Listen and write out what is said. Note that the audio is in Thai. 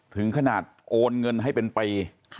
ถึงขนาดโอนเงินให้เป็นปี